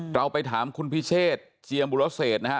เราไปถามคุณพิเชษเจียมบุรเศษนะฮะ